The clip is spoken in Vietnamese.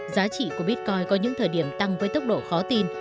giá trị của bitcoin có những thời điểm tăng với tốc độ khó tin